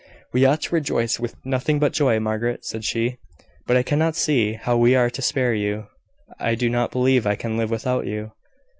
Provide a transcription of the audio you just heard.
"We ought to rejoice with nothing but joy, Margaret," said she: "but I cannot see how we are to spare you. I do not believe I can live without you."